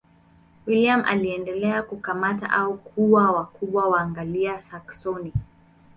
William aliendelea kukamata au kuua wakubwa wa Waanglia-Saksoni.